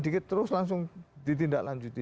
dikit terus langsung ditindak lanjut